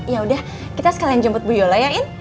yaudah kita sekalian jemput bu yola ya in